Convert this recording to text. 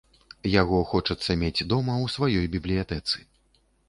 Яго хочацца мець дома, у сваёй бібліятэцы.